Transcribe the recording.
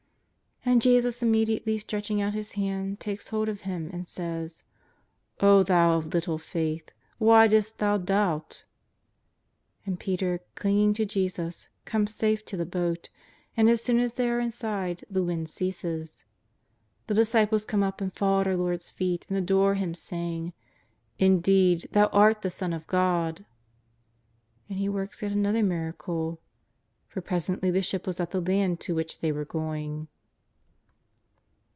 And Jesus immediately stretching out His hand takes hold of him and says: " O thou of little faith, why didst thou doubt ?'' And Peter, clinging to Jesus, comes safe to the boat, and as soon as they are inside the wind ceases. The disciples come up and fall at our Lord's feet and adore Him, saying: " Indeed, Thou art the Son of God !" And He works yet another miracle, " for presently the ship was at the land to which they were going."